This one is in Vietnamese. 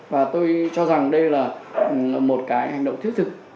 và tôi cho rằng đây là một cái hành động thiết thực